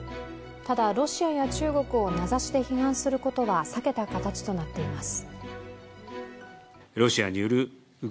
ただ、ロシアや中国を名指しで非難することは避けた形となっています。